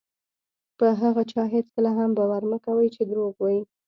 په هغه چا هېڅکله هم باور مه کوئ چې دروغ وایي.